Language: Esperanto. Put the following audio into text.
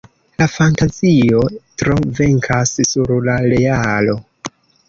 La fantazio tro venkas sur la realo.